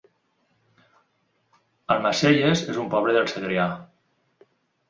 Almacelles es un poble del Segrià